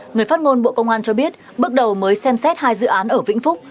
người phát ngôn bộ công an cho biết bước đầu mới xem xét hai dự án ở vĩnh phúc